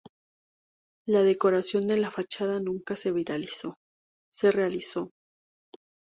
La decoración de la fachada nunca se realizó.